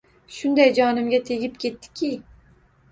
“Shunday jonimga tegib ketding-ki”